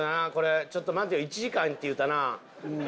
ちょっと待てよ１時間って言うたな。